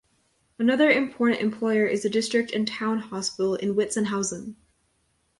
Another important employer is the district and town hospital in Witzenhausen.